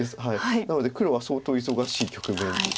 なので黒は相当忙しい局面です。